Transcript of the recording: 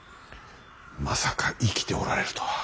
まさか生きておられるとは。